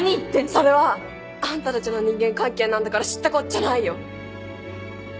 それはあんたたちの人間関係なんだから知ったこっちゃないよ。